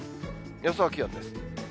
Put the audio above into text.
予想気温です。